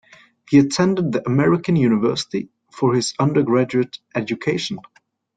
He attended the American University for his undergraduate education.